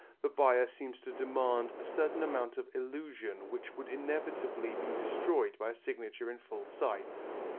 The buyer seems to demand a certain amount of illusion which would inevitably be destroyed by a signature in full sight.